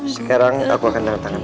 sekarang aku akan tanda tangan